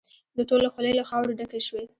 د ټولو خولې له خاورو ډکې شوې.